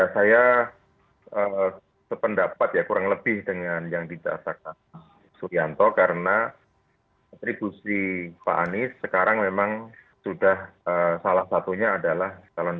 saya sependapat kurang lebih dengan yang didasarkan suhyanto karena atribusi pak anies sekarang memang sudah salah satunya adalah